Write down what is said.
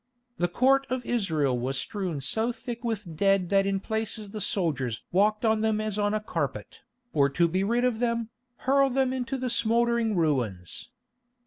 The Court of Israel was strewn so thick with dead that in places the soldiers walked on them as on a carpet, or to be rid of them, hurled them into the smouldering ruins.